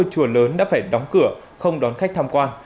ngôi chùa lớn đã phải đóng cửa không đón khách tham quan